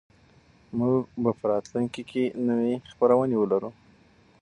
موږ به په راتلونکي کې نوې خپرونې ولرو.